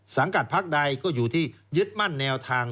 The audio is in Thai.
กัดพักใดก็อยู่ที่ยึดมั่นแนวทาง